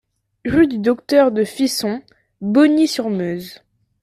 Rue du Docteur de Fisson, Bogny-sur-Meuse